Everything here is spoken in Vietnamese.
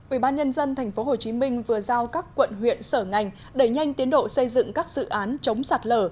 ubnd tp hcm vừa giao các quận huyện sở ngành đẩy nhanh tiến độ xây dựng các dự án chống sạt lở